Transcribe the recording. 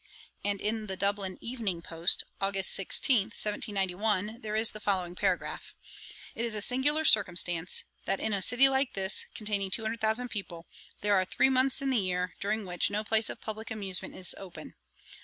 And in The Dublin Evening Post, August 16, 1791, there is the following paragraph: 'It is a singular circumstance, that, in a city like this, containing 200,000 people, there are three months in the year during which no place of publick amusement is open.